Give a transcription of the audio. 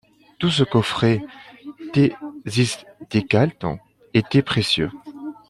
Tout ce qu'offrait Tecciztecatl était précieux.